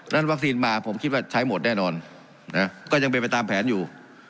วัคซีนมาผมคิดว่าใช้หมดแน่นอนก็ยังเป็นไปตามแผนอยู่